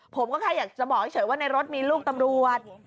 ผมก็แค่อยากจะบอกเฉยว่าในรถมีลูกตำรวจ